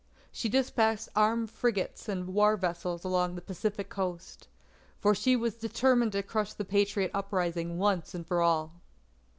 She despatched armed frigates and war vessels along the Pacific coast, for she was determined to crush the Patriot uprising once and for all.